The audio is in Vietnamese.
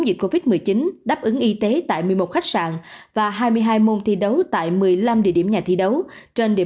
dịch covid một mươi chín đáp ứng y tế tại một mươi một khách sạn và hai mươi hai môn thi đấu tại một mươi năm địa điểm nhà thi đấu trên địa